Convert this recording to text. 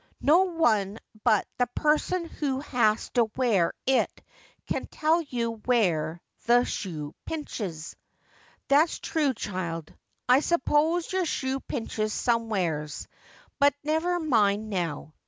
No one but the person who has to wear it can tell you where, the shoe pinches.' ' That's true, child. I suppose your shoe pinched somewheres. But never mind now.